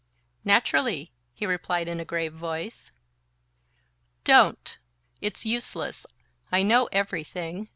"Naturally," he replied in a grave voice. "Don't! It's useless. I know everything.